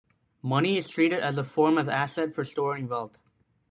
Money is treated as a form of asset for storing wealth.